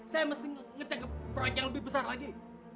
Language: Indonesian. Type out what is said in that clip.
saya mesti mengecek perak yang lebih besar lagi